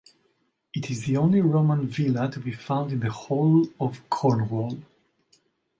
It is the only Roman villa to be found in the whole of Cornwall.